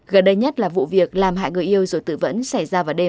gần đây nhất là vụ việc làm hại người yêu rồi tự vẫn xảy ra vào đêm